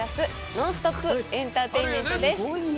ノンストップエンターテインメントです